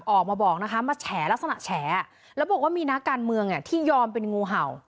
ออกมาบอกนะคะมาแฉลักษณะแฉแล้วบอกว่ามีนักการเมืองที่ยอมเป็นงูเห่า